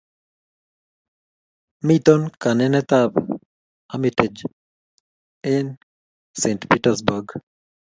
mito kananetab Hermitage eng saint Petersburg